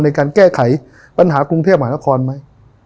ในการแก้ไขปัญหากรุงเทพมหานครไหม